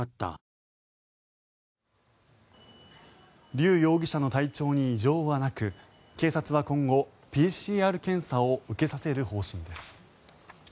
リュウ容疑者の体調に異常はなく警察は今後ＰＣＲ検査を受けさせる方針です。